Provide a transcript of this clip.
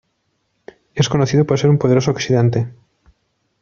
Es conocido por ser un poderoso oxidante.